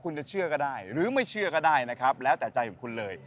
คุณจะเชื่อก็ได้หรือไม่เชื่อก็ได้นะครับแล้วแต่ใจของคุณเลย